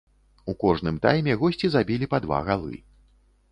У кожным тайме госці забілі па два галы.